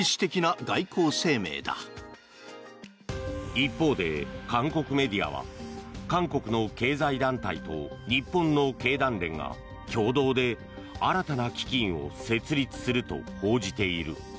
一方で韓国メディアは韓国の経済団体と日本の経団連が共同で新たな基金を設立すると報じている。